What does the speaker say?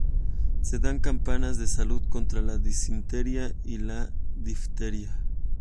Se dan campanas de salud contra la disentería y la difteria.